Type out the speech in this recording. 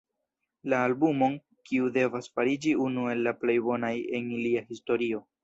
La albumon, kiu devas fariĝi unu el la plej bonaj en ilia historio.